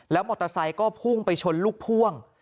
มอเตอร์ไซค์ก็พุ่งไปชนลูกพ่วง